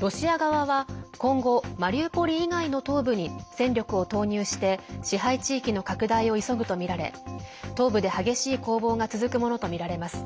ロシア側は今後マリウポリ以外の東部に戦力を投入して支配地域の拡大を急ぐとみられ東部で激しい攻防が続くものとみられます。